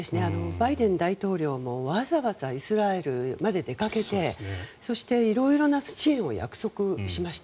バイデン大統領もわざわざイスラエルまで出かけてそして、色々な支援を約束しました。